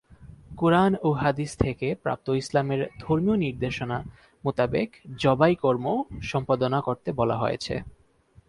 কুরআন ও হাদিস থেকে প্রাপ্ত ইসলামের ধর্মীয় নির্দেশনা মোতাবেক জবাই কর্ম সম্পাদনা করতে বলা হয়েছে।